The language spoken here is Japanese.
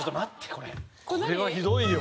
「これはひどいよ」